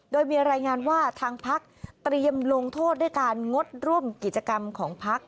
โดยมีรายงานว่าทางพักเตรียมลงโทษด้วยการงดร่วมกิจกรรมของพัก